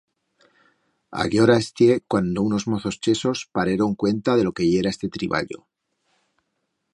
Allora estié cuando unos mozos chesos pareron cuenta de lo que yera este triballo.